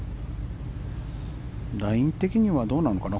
ライン的にはどうなのかな。